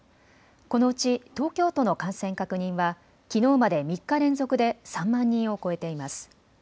このうち東京都の感染確認はきのうまで３日連続で３万人を超えています。